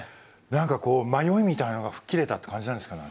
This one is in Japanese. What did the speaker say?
何かこう迷いみたいなのが吹っ切れたという感じなんですかね